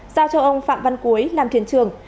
giao cho ông phạm văn cuối làm thuyền trưởng